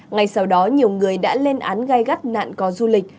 ngay sau đó nhiều người đã lên án gai gắt nạn có du lịch